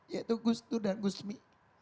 yaitu gus dur dan gus mi